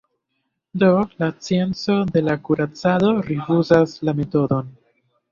Do la scienco de la kuracado rifuzas la metodon.